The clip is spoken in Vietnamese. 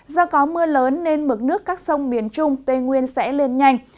do có mưa lớn nên mực nước các sông miền trung tây nguyên sẽ lên nhanh